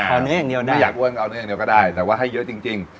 เอาเนื้ออย่างเดียวได้ไม่อยากอ้วนเอาเนื้ออย่างเดียวก็ได้แต่ว่าให้เยอะจริง